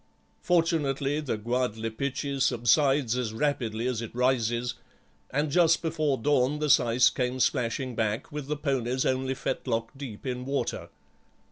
Fortunately the Gwadlipichee subsides as rapidly as it rises, and just before dawn the syce came splashing back, with the ponies only fetlock deep in water.